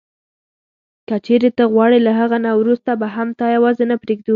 که چیري ته غواړې له هغه نه وروسته به هم تا یوازي نه پرېږدو.